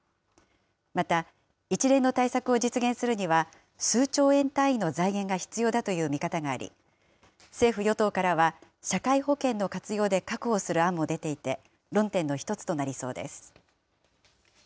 また、一連の対策を実現するには数兆円単位の財源が必要だという見方があり、政府・与党からは、社会保険の活用で確保する案も出ていて、論点の１つとなりそうです。